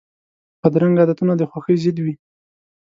بدرنګه عادتونه د خوښۍ ضد وي